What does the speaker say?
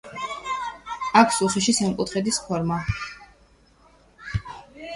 აქვს უხეში სამკუთხედის ფორმა.